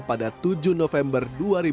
pada tujuh november dua ribu dua puluh